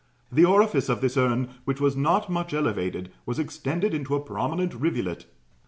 The orifice of this urn, which was not much elevated, was extended into a prominent rivulet.